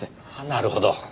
なるほど。